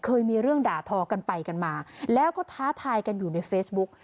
เคยมีเรื่องด่าทอกันไปกันมาแล้วก็ท้าทายกันอยู่ในเฟซบุ๊ก